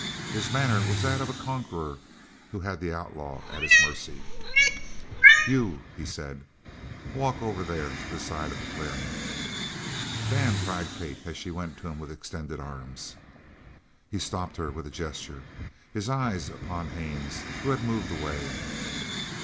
His manner was that of a conqueror who had the outlaw at his mercy. "You," he said, "walk over there to the side of the clearing." "Dan!" cried Kate, as she went to him with extended arms. He stopped her with a gesture, his eyes upon Haines, who had moved away.